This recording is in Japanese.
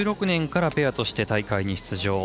２０１６年からペアとして大会に出場。